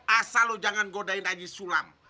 asal lu jangan godain haji sulam